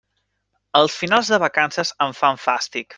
Els finals de vacances em fan fàstic.